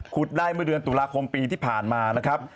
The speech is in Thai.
ได้เมื่อเดือนตุลาคมปีที่ผ่านมานะครับ